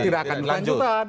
tidak akan dilanjutkan